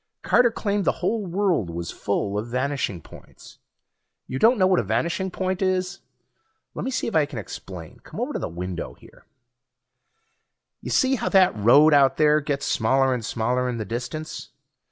Carter claimed the whole world was full of vanishing points. You don't know what a vanishing point is? Lemme see if I can explain. Come over to the window here. Ya see how that road out there gets smaller and smaller in the distance?